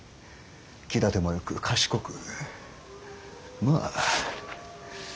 気立てもよく賢くまあ